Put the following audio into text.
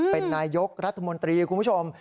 เป็นนายยกรัฐมนตรีคุณผู้ชม